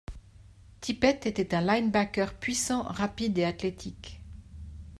Tippett était un linebacker puissant, rapide et athlétique.